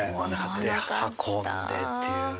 で運んでっていう。